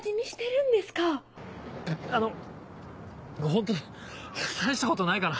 ホント大したことないから。